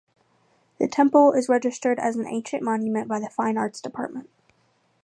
The temple is registered as an ancient monument by the Fine Arts Department.